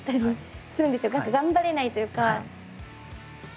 頑張れないというか。